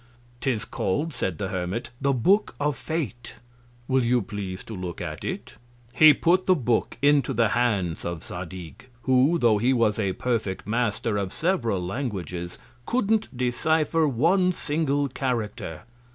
'Tis call'd, said the Hermit, the Book of Fate; will you please to look at it. He put the Book into the Hands of Zadig, who, tho' he was a perfect Master of several Languages, couldn't decypher one single Character.